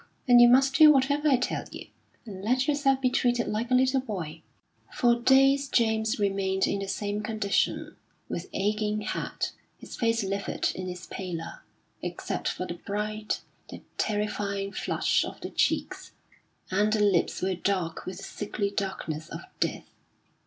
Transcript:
And you must do whatever I tell you, and let yourself be treated like a little boy." For days James remained in the same condition, with aching head, his face livid in its pallor, except for the bright, the terrifying flush of the cheeks; and the lips were dark with the sickly darkness of death.